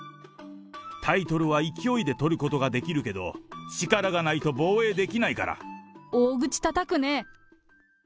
タイトルは勢いで取ることができるけど、力がないと防衛できない大口たたくね。